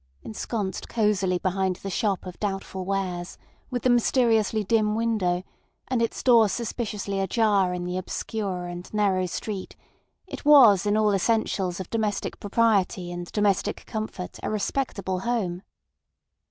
Ensconced cosily behind the shop of doubtful wares, with the mysteriously dim window, and its door suspiciously ajar in the obscure and narrow street, it was in all essentials of domestic propriety and domestic comfort a respectable home.